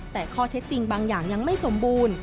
แต่ข้อเท็จจริงบางอย่างยังไม่สมบูรณ์